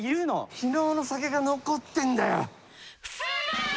昨日の酒が残ってんだよ。